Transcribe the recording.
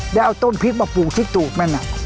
แล้วเอาต้นพริกมาปลูกที่ตูดมัน